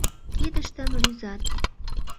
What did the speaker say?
Кидыштым рӱзат.